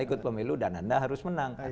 ikut pemilu dan anda harus menang